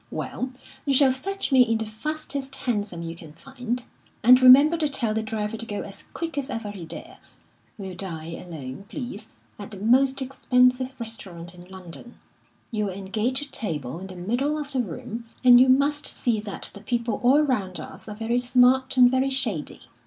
Well, you shall fetch me in the fastest hansom you can find, and remember to tell the driver to go as quick as ever he dare. We'll dine alone, please, at the most expensive restaurant in London! You'll engage a table in the middle of the room, and you must see that the people all round us are very smart and very shady.